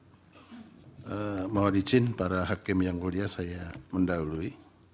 saya mohon izin para hakim yang mulia saya mendahului